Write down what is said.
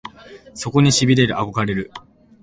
そこに痺れる憧れる